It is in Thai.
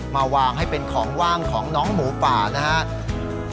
มาวางให้เป็นของว่างของน้องหมูป่านะครับ